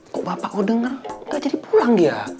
kok bapak kok denger gak jadi pulang dia